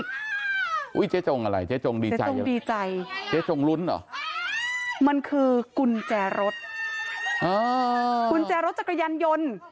คุณแจรถรถจักรยานยนต์